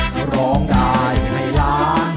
ร้องได้ให้ล้าน